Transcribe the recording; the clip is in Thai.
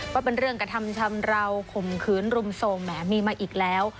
ก็เป็นเรื่องกระทำชำราวข่มขืนรุมโทรมแหมมีมาอีกแล้ว